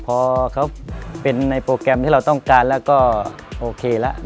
พอเขาเป็นในโปรแกรมที่เราต้องการแล้วก็โอเคแล้ว